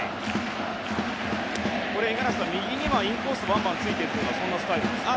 五十嵐さん右にはインコースをバンバンつくというスタイルですか。